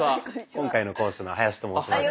今回の講師の林と申します。